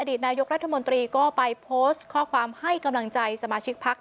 นายกรัฐมนตรีก็ไปโพสต์ข้อความให้กำลังใจสมาชิกพัก